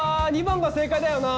２番が正解だよな。